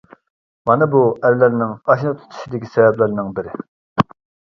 مانا بۇ ئەرلەرنىڭ ئاشنا تۇتۇشىدىكى سەۋەبلەرنىڭ بىرى.